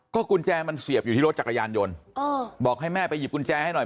กุญแจมันเสียบอยู่ที่รถจักรยานยนต์บอกให้แม่ไปหยิบกุญแจให้หน่อย